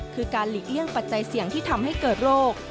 คือการหลีกเลี่ยงปัจจัยเสี่ยงที่ทำให้เกิดโรค